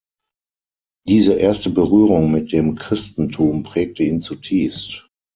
Diese erste Berührung mit dem Christentum prägte ihn zutiefst.